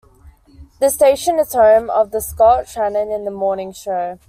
The station is the home of the "Scott Shannon in the Morning" show.